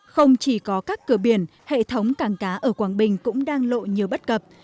không chỉ có các cửa biển hệ thống cảng cá ở quảng bình cũng đang lộ nhiều bất cập